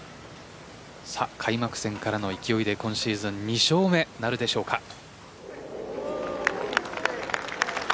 開幕戦からの勢いで今シーズン２勝目なるでしょうか。